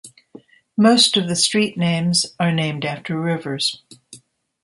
Most of the street names are named after rivers.